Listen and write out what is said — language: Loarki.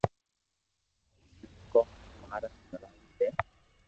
ھيين ڪوم ۾ ماھارت ڪروا دي